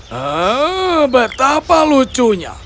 hmm betapa lucunya